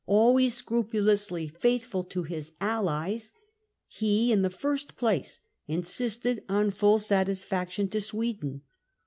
Always scrupulously faithful to his allies, he in the first place insisted on full satisfaction to Sweden.